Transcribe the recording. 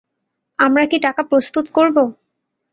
আমরা কি টাকা প্রস্তুত করব?